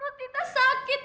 berut kita sakit ah